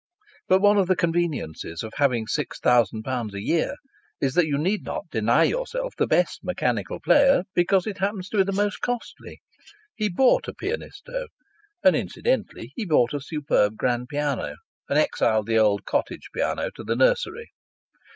But one of the conveniences of having six thousand pounds a year is that you need not deny yourself the best mechanical player because it happens to be the most costly. He bought a Pianisto, and incidentally he bought a superb grand piano and exiled the old cottage piano to the nursery.